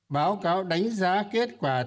báo cáo đánh giá kết quả thư giãn